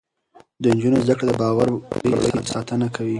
د نجونو زده کړه د باور کړۍ ساتنه کوي.